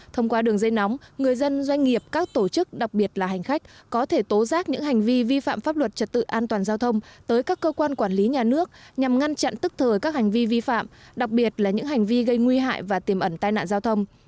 thông qua đường dây nóng người dân doanh nghiệp các tổ chức đặc biệt là hành khách có thể tố giác những hành vi vi phạm pháp luật trật tự an toàn giao thông tới các cơ quan quản lý nhà nước nhằm ngăn chặn tức thời các hành vi vi phạm đặc biệt là những hành vi gây nguy hại và tiềm ẩn tai nạn giao thông